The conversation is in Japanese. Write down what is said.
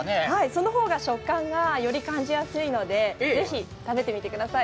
その方が食感が、より感じやすいのでぜひ食べてみてください。